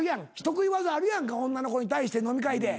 得意技あるやんか女の子に対して飲み会で。